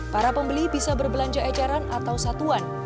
para pembeli bisa berbelanja ecaran atau satuan